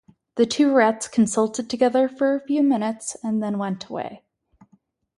The two rats consulted together for a few minutes and then went away.